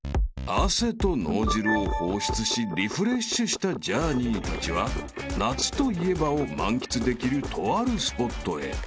［汗と脳汁を放出しリフレッシュしたジャーニーたちは夏といえばを満喫できるとあるスポットへ］